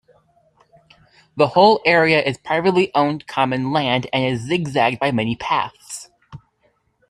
The whole area is privately owned common land and is zigzagged by many paths.